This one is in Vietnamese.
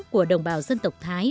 của đồng bào dân tộc thái